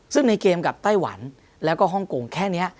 ซึ่งในเกมกับไต้หวันแล้วก็ฮ่องกงแค่นี้